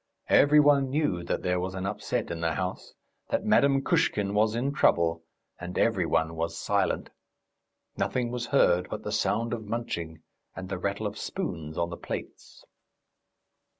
Every one knew that there was an upset in the house, that Madame Kushkin was in trouble, and every one was silent. Nothing was heard but the sound of munching and the rattle of spoons on the plates.